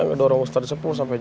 ngedorong ustadz sepuh sampe jatoh